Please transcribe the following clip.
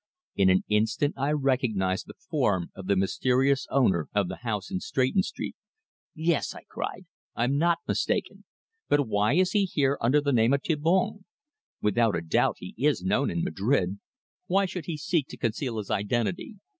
In an instant I recognized the form of the mysterious owner of the house in Stretton Street. "Yes!" I cried. "I'm not mistaken! But why is he here under the name of Thibon? Without a doubt he is known in Madrid. Why should he seek to conceal his identity?"